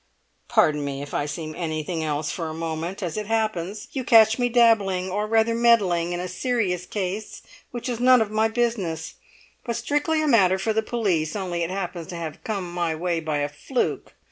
"Pardon me if I seem anything else for a moment; as it happens, you catch me dabbling, or rather meddling, in a serious case which is none of my business, but strictly a matter for the police, only it happens to have come my way by a fluke.